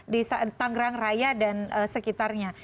di tangerang raya dan sekitarnya